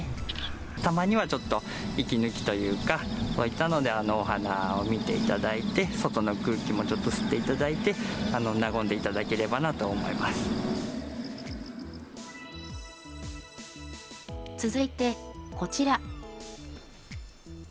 たまにはちょっと息抜きというか、こういったので、お花を見ていただいて、外の空気もちょっと吸っていただいて、なごんでいただければなと思います。